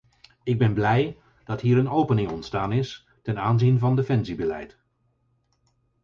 Ik ben blij dat hier een opening ontstaan is ten aanzien van defensiebeleid.